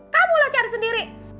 kamulah cari sendiri